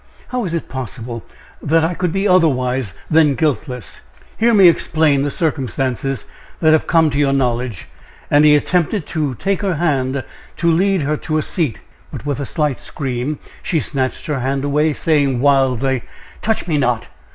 How is it possible that I could be otherwise than guiltless. Hear me explain the circumstances that have come to your knowledge," and he attempted to take her hand to lead her to a seat. But with a slight scream, she snatched her hand away, saying wildly: "Touch me not!